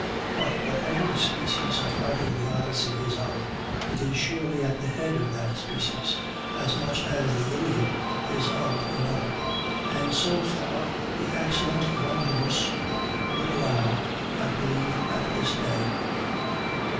But, whatever species of writing the Odyssey is of, it is surely at the head of that species, as much as the Iliad is of another; and so far the excellent Longinus would allow, I believe, at this day.